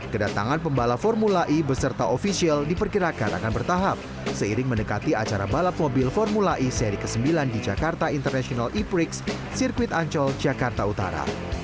kedatangan pembalap formula e beserta official diperkirakan akan bertahap seiring mendekati acara balap mobil formula e seri ke sembilan di jakarta international e prix sirkuit ancol jakarta utara